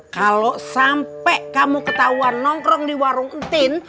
kalau sampai kamu ketahuan nongkrong di warung etin